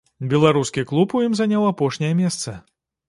Беларускі клуб у ім заняў апошняе месца.